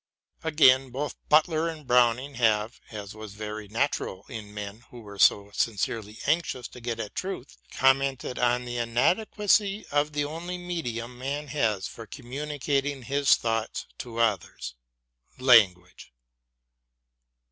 Again, both Butler and Browning have, as was very natural in men who were so sincerely anxious to get at truth, commented on the inadequacy of the only medium man has for communicating his thoughts to others — slanguage.